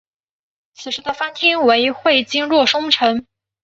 当时的藩厅为会津若松城。